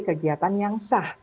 kegiatan yang sah